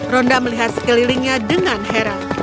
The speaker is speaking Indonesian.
ronda melihat sekelilingnya dengan heran